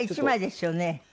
１枚ですよね？